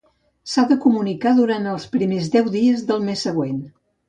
S'ha de comunicar durant els primers deu dies del mes següent.